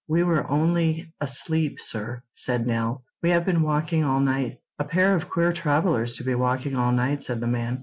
"We were only asleep, sir," said Nell. "We have been walking all night." "A pair of queer travellers to be walking all night," said the man.